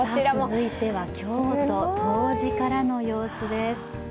続いては京都・東寺からの様子です。